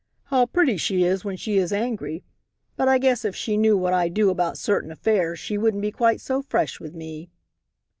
"How pretty she is when she is angry. But I guess if she knew what I do about certain affairs she wouldn't be quite so fresh with me."